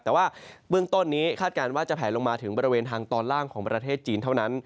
แต่ว่าเบื้องต้นนี้คาดการณ์ว่าจะแผลลงมาถึงบริเวณทางตอนล่างของประเทศจีนเท่านั้น